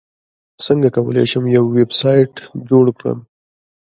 څنګه کولی شم یو ویبسایټ جوړ کړم